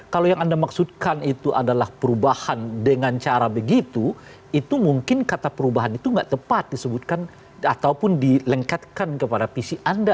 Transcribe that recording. kalau yang anda maksudkan itu adalah perubahan dengan cara begitu itu mungkin kata perubahan itu tidak tepat disebutkan ataupun dilengketkan kepada visi anda